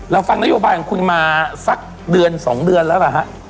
ฟังนโยบายของคุณมาสักเดือน๒เดือนแล้วล่ะฮะ